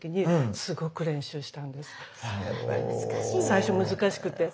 最初難しくて。